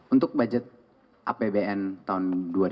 untuk budget apbn tahun dua ribu dua puluh